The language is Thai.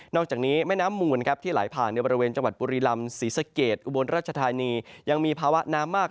อกจากนี้แม่น้ำมูลครับที่ไหลผ่านในบริเวณจังหวัดบุรีลำศรีสะเกดอุบลราชธานียังมีภาวะน้ำมาก